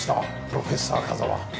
プロフェッサー風間。